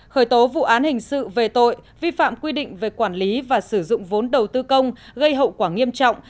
khởi tố vụ án hình sự về tội vi phạm quy định về quản lý và sử dụng vốn đầu tư công gây hậu quả nghiêm trọng